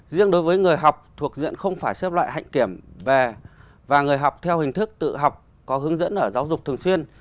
riêng đối với người học thuộc diện không phải xếp loại hạnh kiểm về và người học theo hình thức tự học có hướng dẫn ở giáo dục thường xuyên